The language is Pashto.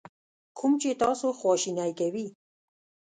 کوم چې تاسو خواشینی کوي.